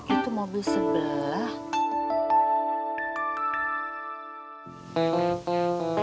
itu mobil sebelah